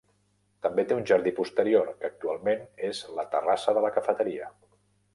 També té un jardí posterior, que actualment és la terrassa de la cafeteria.